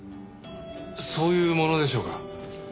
そういうものでしょうか？